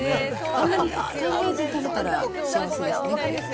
あんまり考えずに食べたら、幸せですね、これ。